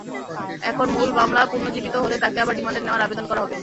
এখন মূল মামলা পুনর্জীবিত হলে তাঁকে আবার রিমান্ডে নেওয়ার আবেদন করা হবে।